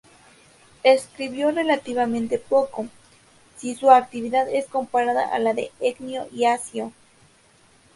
Escribió relativamente poco, si su actividad es comparada a la de Ennio y Accio.